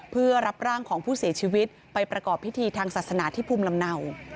เพื่อรับร่างของผู้เสียชีวิตไปประกอบพิธีทางศาสนาที่ภูมิลำเนา